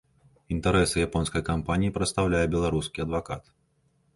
Інтарэсы японскай кампаніі прадстаўляе беларускі адвакат.